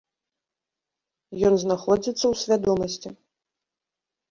Ён знаходзіцца ў свядомасці.